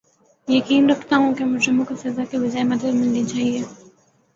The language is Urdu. یقین رکھتا ہوں کہ مجرموں کو سزا کے بجاے مدد ملنی چاھیے